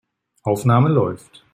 Aufnahme läuft.